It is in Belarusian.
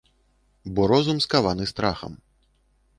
Бо розум скаваны страхам.